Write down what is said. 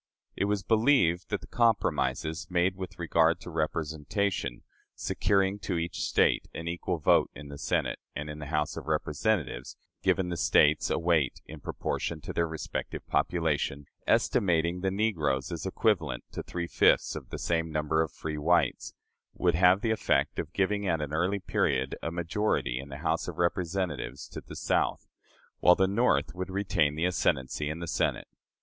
It was believed that the compromises made with regard to representation securing to each State an equal vote in the Senate, and in the House of Representatives giving the States a weight in proportion to their respective population, estimating the negroes as equivalent to three fifths of the same number of free whites would have the effect of giving at an early period a majority in the House of Representatives to the South, while the North would retain the ascendancy in the Senate.